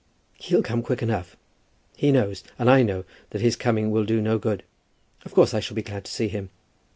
"He'll come quick enough. He knows, and I know, that his coming will do no good. Of course I shall be glad to see him.